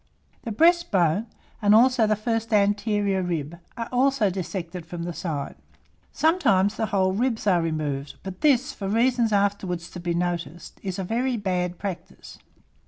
The breast bone, and also the first anterior rib, are also dissected from the side. Sometimes the whole of the ribs are removed; but this, for reasons afterwards to be noticed, is a very bad practice.